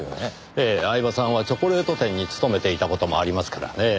ええ饗庭さんはチョコレート店に勤めていた事もありますからねぇ。